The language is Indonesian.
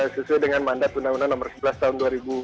sesuai dengan mandat undang undang nomor sebelas tahun dua ribu dua